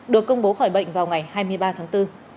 được công bố khỏi bệnh vào ngày hai mươi ba tháng bốn